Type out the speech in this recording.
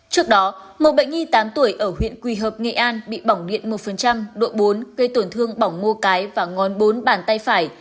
trước đó một bệnh nhi tám tuổi ở huyện quỳ hợp nghệ an bị bỏng điện một độ bốn gây tổn thương bỏng mô cái và ngón bốn bàn tay phải